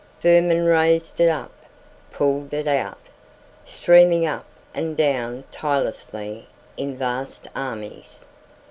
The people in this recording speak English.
Vermin raised it up, pulled it out, streaming up and down tirelessly in vast armies.